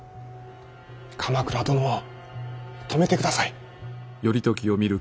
鎌倉殿を止めてください。